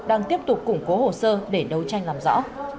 đang tiếp tục củng cố hồ sơ để đấu tranh làm rõ